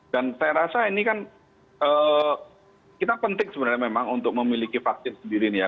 dan saya rasa ini kan kita penting sebenarnya memang untuk memiliki vaksin sendiri nih ya